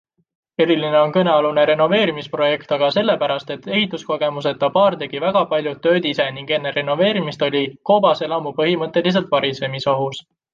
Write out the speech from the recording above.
Eriline on kõnealune renoveerimisprojekt aga sellepärast, et ehituskogemuseta paar tegi väga paljud tööd ise ning enne renoveerimist oli koobaselamu põhimõtteliselt varisemisohus.